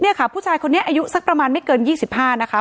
เนี่ยค่ะผู้ชายคนนี้อายุสักประมาณไม่เกินยี่สิบห้านะคะ